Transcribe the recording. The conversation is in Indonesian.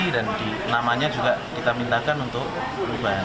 dan namanya juga kita minta untuk perubahan